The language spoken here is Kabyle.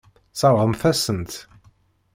Sseṛɣent-asen-t.